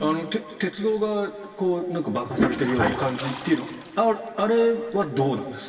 鉄道が爆破されているような感じというのはあれはどうなんですか？